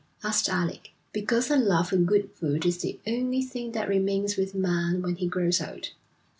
asked Alec. 'Because a love for good food is the only thing that remains with man when he grows old.